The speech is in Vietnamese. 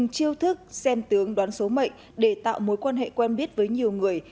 chiêu thức xem tướng đoán số mệnh để tạo mối quan hệ quen biết với nhiều người